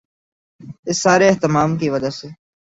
اس سارے اہتمام کی وجہ سے